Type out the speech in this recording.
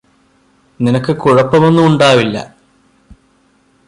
നിനക്ക് കുഴപ്പമൊന്നുമുണ്ടാവില്ലാ